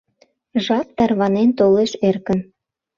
Жап тарванен толеш эркын